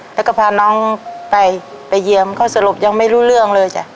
แล้วก็พาน้องไปไปเยี่ยมข้อสรุปยังไม่รู้เรื่องเลยจ้ะ